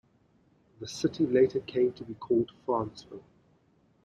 The city later came to be called Franceville.